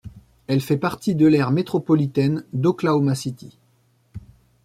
Elle fait partie de l'aire métropolitaine d'Oklahoma City.